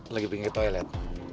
lagi pinggir toilet